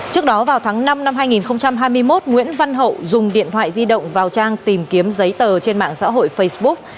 trước đó vào tháng năm năm hai nghìn hai mươi một nguyễn văn hậu dùng điện thoại di động vào trang tìm kiếm giấy tờ trên mạng xã hội facebook